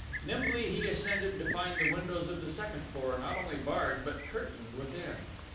Nimbly he ascended to find the windows of the second floor not only barred but curtained within.